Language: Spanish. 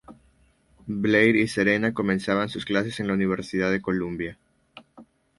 Blair y Serena comienzan sus clases en la universidad de Columbia.